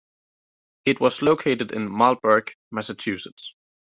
It was located in Marlborough, Massachusetts.